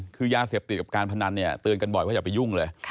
คือยาเสพติดกับการพนันเนี่ยเตือนกันบ่อยว่าอย่าไปยุ่งเลย